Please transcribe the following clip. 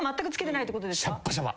シャッバシャバ。